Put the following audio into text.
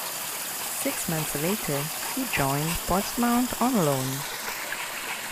Six months later, he joined Portsmouth on loan.